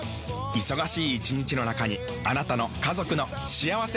忙しい一日の中にあなたの家族の幸せな時間をつくります。